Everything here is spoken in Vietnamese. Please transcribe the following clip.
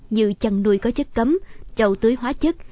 như chăn nuôi có chất cấm trầu tưới hóa chất